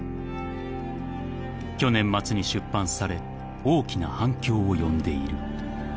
［去年末に出版され大きな反響を呼んでいる］